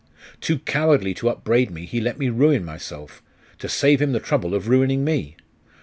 Too cowardly to upbraid me, he let me ruin myself, to save him the trouble of ruining me.